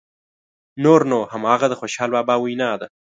نور نو همغه د خوشحال بابا وینا ده.